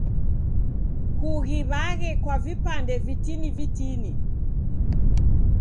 Kughiw'aghe kwa vipande vitini vitini.